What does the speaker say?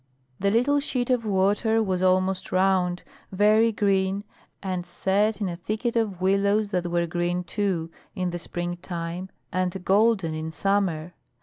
The little sheet of water was almost round, very green and set in a thicket of willows that were green, too, in the springtime, and golden in summer.